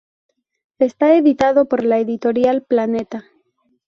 Está editado por la editorial Planeta.